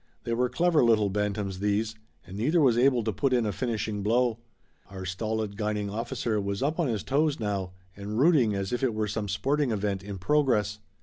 They were clever little bantams, these, and neither was able to put in a finishing blow. Our stolid guiding officer was up on his toes now and rooting as if it were some sporting event in progress.